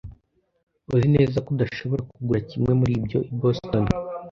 Uzi neza ko udashobora kugura kimwe muri ibyo i Boston?